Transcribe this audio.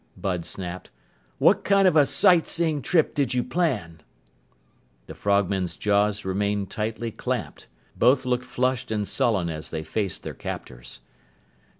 Bud snapped. "What kind of a sightseeing trip did you plan?" The frogmen's jaws remained tightly clamped. Both looked flushed and sullen as they faced their captors.